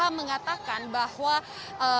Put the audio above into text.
pihak pemerintah telah membuka ruang secara foras